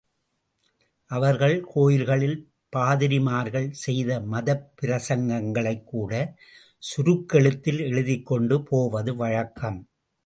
அவர்கள் கோயில்களில் பாதிரிமார்கள் செய்த மதப் பிரசங்கங்களைக்கூட சுருக்கெழுத்தில் எழுதிக்கொண்டு போவது வழக்கம்.